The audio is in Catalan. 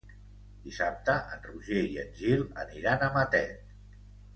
Dissabte en Roger i en Gil aniran a Matet.